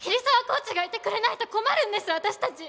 コーチがいてくれないと困るんです私たち！